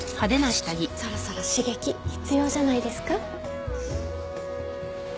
そろそろ刺激必要じゃないですか？